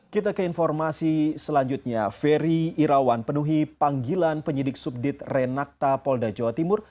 kita ke informasi selanjutnya ferry irawan penuhi panggilan penyidik subdit renakta polda jawa timur